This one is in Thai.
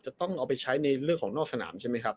จะต้องเอาไปใช้ในเรื่องของนอกสนามใช่ไหมครับ